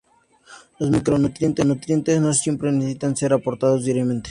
Los micronutrientes no siempre necesitan ser aportados diariamente.